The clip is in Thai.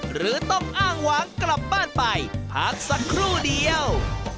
หรือต้องอ้างหวังกลับบ้านไปพักสักครู่เดียว